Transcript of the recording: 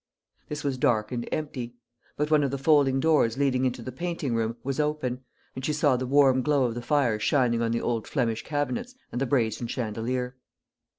This was dark and empty; but one of the folding doors leading into the painting room was open, and she saw the warm glow of the fire shining on the old Flemish cabinets and the brazen chandelier.